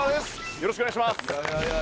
よろしくお願いします。